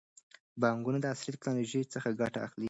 بانکونه د عصري ټکنالوژۍ څخه ګټه اخلي.